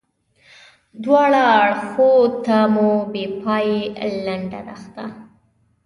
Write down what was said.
دواړه اړخو ته مو بې پایې لنده دښته.